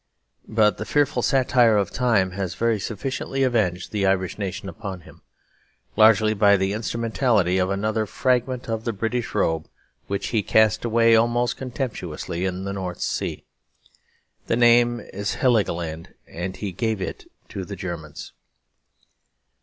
But the fearful satire of time has very sufficiently avenged the Irish nation upon him, largely by the instrumentality of another fragment of the British robe which he cast away almost contemptuously in the North Sea. The name of it is Heligoland; and he gave it to the Germans.